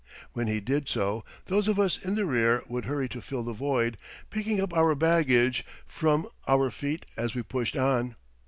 When he did so, those of us in the rear would hurry to fill the void, picking up our baggage from our feet as we pushed on.